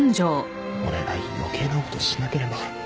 俺が余計なことをしなければ